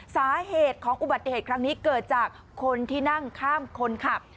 สาเหตุของอุบัติเหตุครั้งนี้เกิดจากคนที่นั่งข้ามคนขับ